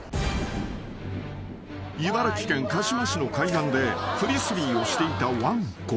［茨城県鹿嶋市の海岸でフリスビーをしていたわんこ］